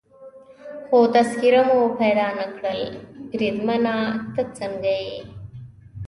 خو تذکیره مو پیدا نه کړل، بریدمنه ته څنګه یې؟